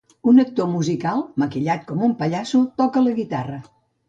Un actor musical maquillat com un pallasso toca la guitarra